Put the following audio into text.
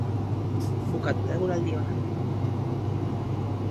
Bukatu da eguraldi ona.